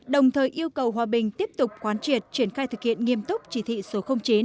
đồng thời yêu cầu hòa bình tiếp tục quán triệt triển khai thực hiện nghiêm túc chỉ thị số chín